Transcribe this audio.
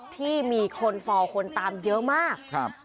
ที่มีคนฟ้าคนตามเยอะมาก